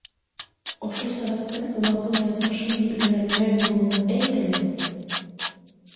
Ошо сәғәттең уларҙың яҙмышын билдәләр мәл булыуын әйт әле!